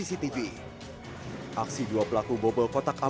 aksi dua pelaku bobel kotak amal juga terjadi di kabupaten mojokerto jawa timur